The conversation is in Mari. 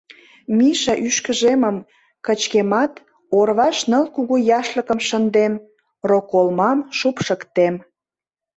Миша ӱшкыжемым кычкемат, орваш ныл кугу яшлыкым шындем, роколмам шупшыктем.